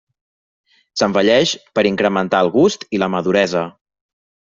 S'envelleix per incrementar el gust i la maduresa.